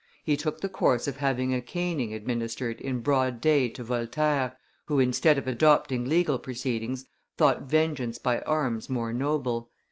He took the course of having a caning administered in broad day to Voltaire, who, instead of adopting legal proceedings, thought vengeance by arms more noble.